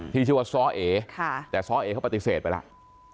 ที่ชื่อว่าซ้อเอแต่ซ้อเอเขาปฏิเสธไปแล้ว